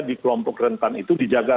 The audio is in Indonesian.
di kelompok rentan itu dijaga